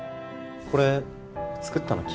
これ作ったの君？